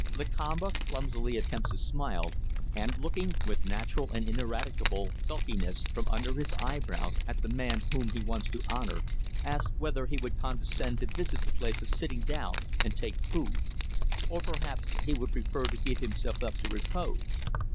Lakamba clumsily attempts a smile, and looking, with natural and ineradicable sulkiness, from under his eyebrows at the man whom he wants to honour, asks whether he would condescend to visit the place of sitting down and take food. Or perhaps he would prefer to give himself up to repose?